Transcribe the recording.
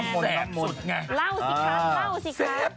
เล่าสิครับเล่าสิครับ